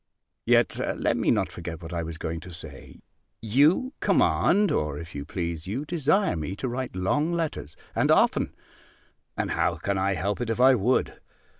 Yet let me not forget what I was going to say You command or, if you please you desire me to write long letters, and often And how can I help it, if I would?